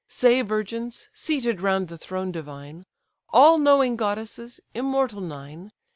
Say, virgins, seated round the throne divine, All knowing goddesses! immortal nine!